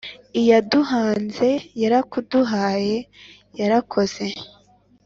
Iyaduhanze yarakuduhaye yarakoze